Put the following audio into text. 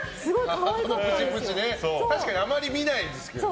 確かにあまり見ないですけどね。